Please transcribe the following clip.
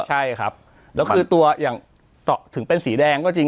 ใช่ครับแล้วคือตัวอย่างถึงเป็นสีแดงก็จริง